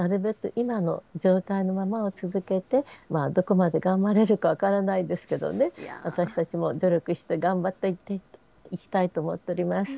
今の状態のままを続けて、どこまで頑張れるか分からないですけどね、私たちも努力して頑張っていきたいと思っております。